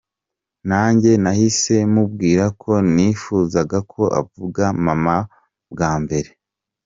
Nanjye nahise mubwira ko nifuzaga ko avuga ‘Mama bwa mbere’”.